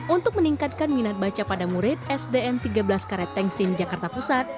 untuk meningkatkan minat baca pada murid sdn tiga belas karet tengsin jakarta pusat